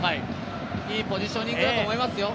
いいポジショニングだと思いますよ。